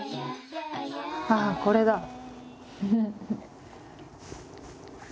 ああこれだ。